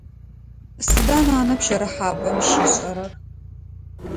Сыда нанэ пщэрыхьапӏэм щишӏэрэр?